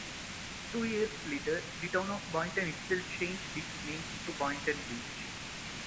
Two years later, the Town of Boynton itself changed its name, to "Boynton Beach".